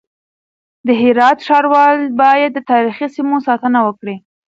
د هرات ښاروال بايد د تاريخي سيمو ساتنه وکړي.